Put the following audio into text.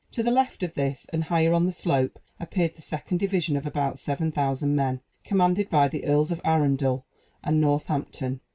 To the left of this, and higher on the slope, appeared the second division, of about 7,000 men, commanded by the Earls of Arundel and Northampton.